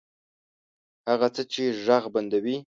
هغه څه چې ږغ بندوي